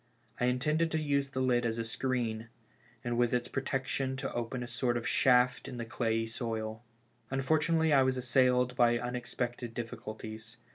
I intended to use the lid as a screen, and with its protec tion to open a sort of shaft in the clayey soil. Unfor tunately I w'as assailed by unexpected difficulties.